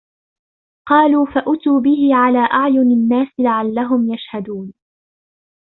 قَالُوا فَأْتُوا بِهِ عَلَى أَعْيُنِ النَّاسِ لَعَلَّهُمْ يَشْهَدُونَ